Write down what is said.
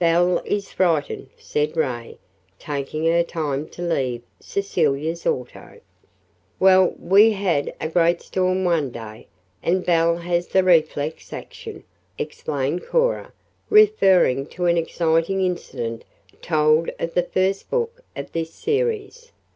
"Belle is frightened," said Ray, taking her time to leave Cecilia's auto. "Well, we had a great storm one day and Belle has the reflex action," explained Cora, referring to an exciting incident told of in the first book of this series.